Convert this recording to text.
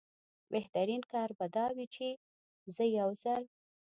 بهترین کار به دا وي چې زه یو ځل.